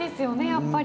やっぱり。